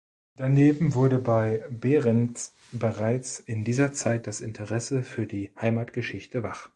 Daneben wurde bei Behrends bereits in dieser Zeit das Interesse für die Heimatgeschichte wach.